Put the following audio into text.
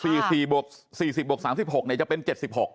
สี่บวกสี่สิบบวกสามสิบหกเนี่ยจะเป็นเจ็ดสิบหก